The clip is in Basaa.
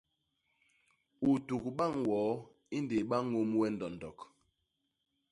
U tuk bañ woo i ndéé ba ñôm we ndondok.